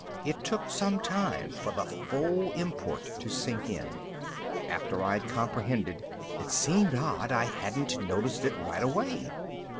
It took some time for the full import to sink in. After I'd comprehended, it seemed odd I hadn't noticed it right away.